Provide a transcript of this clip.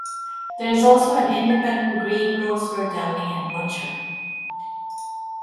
There is also an independent green-grocer, deli and butcher.